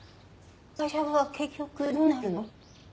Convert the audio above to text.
会社は結局どうなるの？